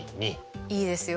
いいですよ。